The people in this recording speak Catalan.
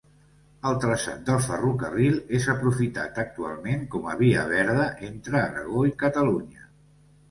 El traçat del ferrocarril és aprofitat actualment com a via verda entre Aragó i Catalunya.